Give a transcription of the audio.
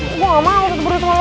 gue enggak mau satu berdua teman lo